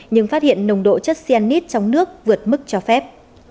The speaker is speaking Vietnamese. nhưng phát hiện nồng độ chất cinite trong nước vượt mức cho phép